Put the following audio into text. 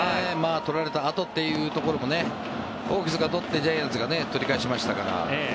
取られたあとというところがホークスが取ってジャイアンツが取り返しましたから。